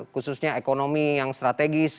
khususnya ekonomi yang strategis